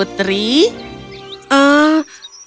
terima kasih banyak putri